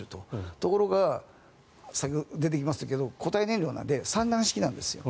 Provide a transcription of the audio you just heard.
ところが先ほど出てきましたけれど固体燃料なので３段式なんです。